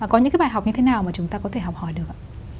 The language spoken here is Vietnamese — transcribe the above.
có những cái bài học như thế nào mà chúng ta có thể học hỏi được ạ